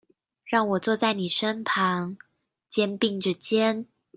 讓我坐在妳身旁，肩並著肩